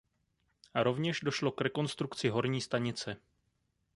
Rovněž došlo k rekonstrukci horní stanice.